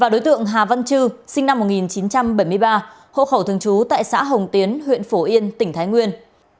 đối tượng hà văn trư sinh năm một nghìn chín trăm bảy mươi ba hộ khẩu thương chú tại xã hồng tiến huyện phổ yên tỉnh thái nguyên